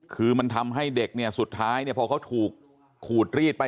คือมันทำให้เด็กเนี่ยสุดท้ายเนี่ยพอเขาถูกขูดรีดไป